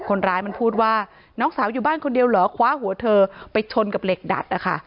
คนร้ายมันพูดว่าน้องสาวอยู่บ้านคนเดียวเหรอคว้าหัวเธอไปชนกับเหล็กดัดนะคะ